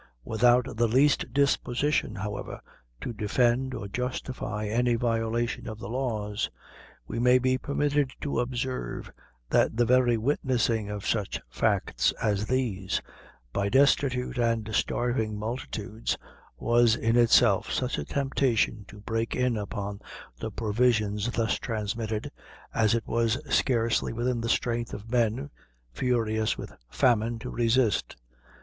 Without the least disposition, however, to defend or justify any violation of the laws, we may be permitted to observe, that the very witnessing of such facts as these, by destitute and starving multitudes, was in itself such a temptation to break in upon the provisions thus transmitted, as it was scarcely within the strength of men, furious with famine, to resist.